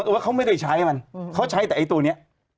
ว่าเขาไม่ได้ใช้มันเขาใช้แต่ไอ้ตัวนี้